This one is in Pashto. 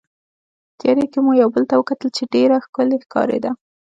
په تیارې کې مو یو بل ته وکتل چې ډېره ښکلې ښکارېده.